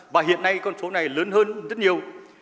và hiện nay con số này lớn hơn rất nhiều